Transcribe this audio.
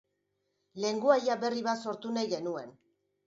Lengoaia berri bat sortu nahi genuen.